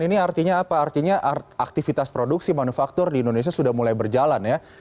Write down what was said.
ini artinya apa artinya aktivitas produksi manufaktur di indonesia sudah mulai berjalan ya